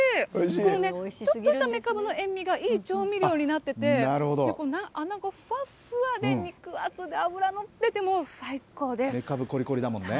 もうね、ちょっとしためかぶの塩味がいい調味料になってて、このあなご、ふわっふわで肉厚で、脂乗ってて、もう最高でめかぶ、こりこりだもんね。